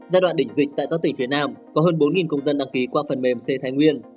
giai đoạn đỉnh dịch tại các tỉnh phía nam có hơn bốn công dân đăng ký qua phần mềm c thái nguyên